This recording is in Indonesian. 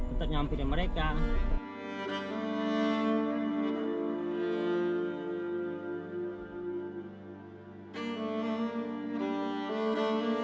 untuk mereka yang sakit